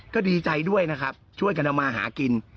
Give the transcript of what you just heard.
ก็ดีใจด้วยนะครับช่วยกันเอามาหากิน